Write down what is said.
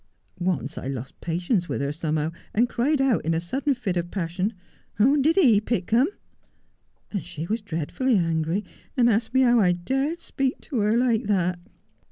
Once I lost patience with her somehow, and cried out in a sudden fit of passion, " Did he pick them 1 " and she was dreadfully angry, and asked me how I dared speak to her like that.'